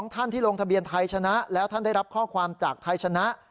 ท่านที่ลงทะเบียนไทยชนะแล้วท่านได้รับข้อความจากไทยชนะ